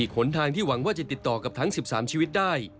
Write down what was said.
ขนทางที่หวังว่าจะติดต่อกับทั้ง๑๓ชีวิตได้